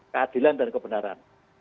keadilan dan kebenaran